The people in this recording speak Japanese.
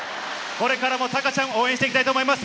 これからもタカちゃんを応援していきたいと思います。